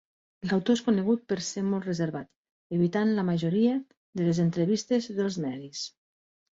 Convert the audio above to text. L'autor és conegut per ser molt reservat, evitant la majoria de les entrevistes dels medis.